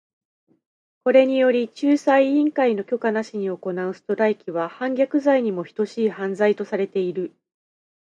これにより、仲裁委員会の許可なしに行うストライキは反逆罪にも等しい犯罪とされている。